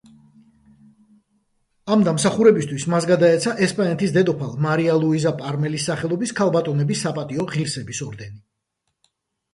ამ დამსახურებისათვის მას გადაეცა ესპანეთის დედოფალ მარია ლუიზა პარმელის სახელობის ქალბატონების საპატიო ღირსების ორდენი.